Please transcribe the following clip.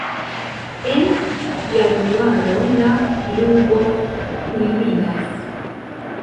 En januaro la pluvo kulminas.